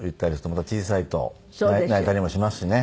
また小さいと泣いたりもしますしね。